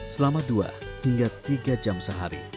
selama dua hingga tiga jam sehari